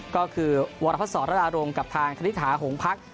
ก็คือวรพัฒรดารงค์กับทางคณิตหาหงพัก